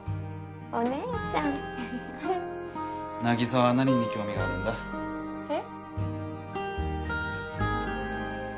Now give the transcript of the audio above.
凪沙は何に興味があるんだ？え？